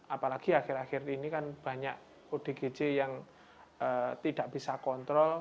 apalagi akhir akhir ini kan banyak odgj yang tidak bisa kontrol